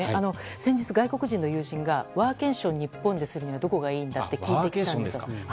先日、外国人の友人がワーケーションを日本でするにはどこがいいんだと聞いてきたんですよ。